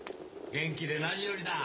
元気で何よりだ。